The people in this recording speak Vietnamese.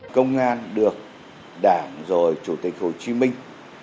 công an được đảng rồi chủ tịch hồ chí minh